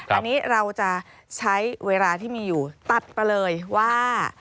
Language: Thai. อันนี้เราจะใช้เวลาที่มีอยู่ตัดไปเลยว่า